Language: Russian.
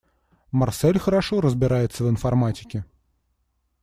Марсель хорошо разбирается в информатике.